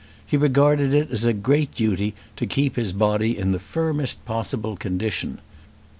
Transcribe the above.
He regarded it as a great duty to keep his body in the firmest possible condition.